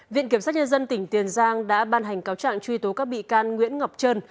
viện kiểm sát nhân dân tỉnh tiền giang đã ban hành cáo trạng truy tố các bị can nguyễn ngọc trơn